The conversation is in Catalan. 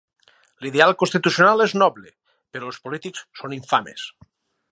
L'ideal constitucional és noble; però els polítics són infames.